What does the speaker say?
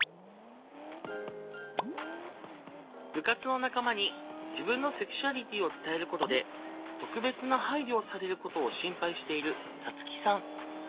部活の仲間に自分のセクシュアリティーを伝えることで特別な配慮をされることを心配しているサツキさん。